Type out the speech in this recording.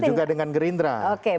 begitu juga dengan gerindra